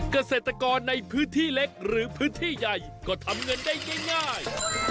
เกษตรกรในพื้นที่เล็กหรือพื้นที่ใหญ่ก็ทำเงินได้ง่าย